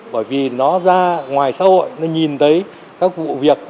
bởi vì nó ra ngoài xã hội nó nhìn thấy các vụ việc